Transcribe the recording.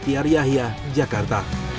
tim asuhan dukun